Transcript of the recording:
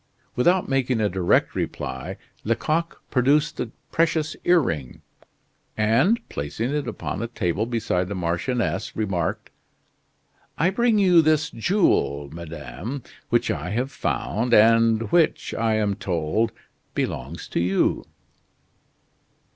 Without making a direct reply, Lecoq produced the precious earring, and, placing it upon the table beside the marchioness, remarked: "I bring you this jewel, madame, which I have found, and which, I am told, belongs to you."